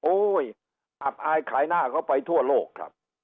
อับอายขายหน้าเข้าไปทั่วโลกครับ